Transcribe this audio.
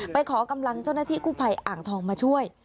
ขอกำลังเจ้าหน้าที่กู้ภัยอ่างทองมาช่วย